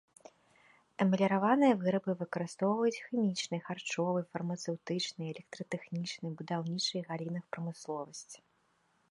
Эмаліраваныя вырабы выкарыстоўваюць у хімічнай, харчовай, фармацэўтычнай, электратэхнічнай, будаўнічай галінах прамысловасці.